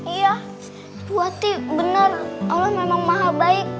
iya bu hati benar allah memang maha baik